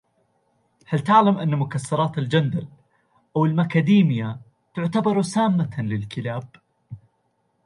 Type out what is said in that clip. هل تعلم أن مكسرات الجندل أو المكاديميا تعتبر سامة للكلاب.